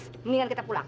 sebaiknya kita pulang